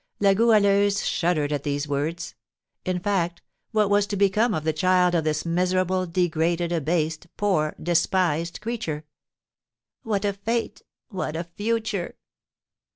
La Goualeuse shuddered at these words. In fact, what was to become of the child of this miserable, degraded, abased, poor, despised creature? "What a fate! What a future!"